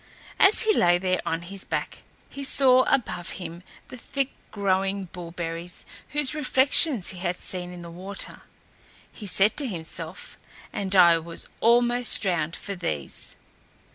As he lay there on his back, he saw above him the thick growing bullberries whose reflections he had seen in the water. He said to himself, "And I was almost drowned for these."